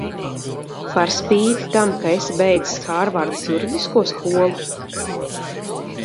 Par spīti tam, ka esi beidzis Hārvardas juridisko skolu?